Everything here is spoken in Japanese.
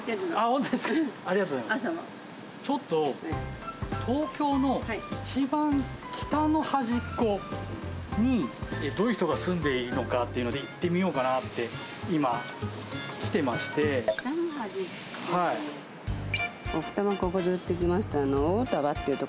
ちょっと、東京の一番北の端っこに、どういう人が住んでいるのかっていうので行ってみようかなって、北の端っこ。